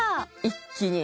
一気に？